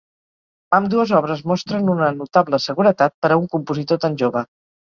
Ambdues obres mostren una notable seguretat per a un compositor tan jove.